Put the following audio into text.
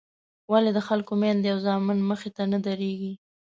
ولې د خلکو میندې او زامن مخې ته نه درېږي.